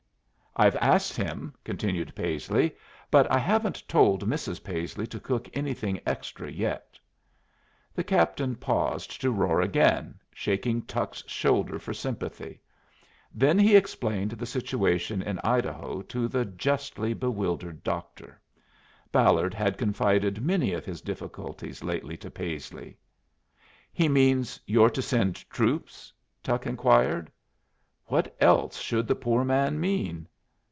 I've asked him," continued Paisley, "but I haven't told Mrs. Paisley to cook anything extra yet." The captain paused to roar again, shaking Tuck's shoulder for sympathy. Then he explained the situation in Idaho to the justly bewildered doctor. Ballard had confided many of his difficulties lately to Paisley. "He means you're to send troops?" Tuck inquired. "What else should the poor man mean?"